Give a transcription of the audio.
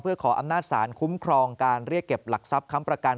เพื่อขออำนาจศาลคุ้มครองการเรียกเก็บหลักทรัพย์ค้ำประกัน